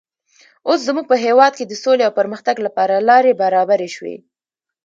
اوس زموږ په هېواد کې د سولې او پرمختګ لپاره لارې برابرې شوې.